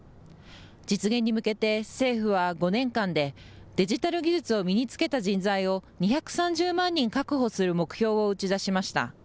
実現に向けて政府は５年間でデジタル技術を身につけた人材を２３０万人確保する目標を打ち出しました。